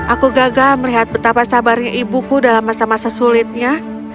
aku gagal melihat betapa sabarnya ibuku dalam masa masa sulitnya